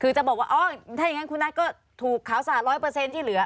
คือจะบอกว่าอ๋อถ้าอย่างนั้นคุณนัทก็ถูกขาวสาด๑๐๐ที่เหลือ